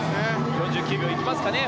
４９秒いきますかね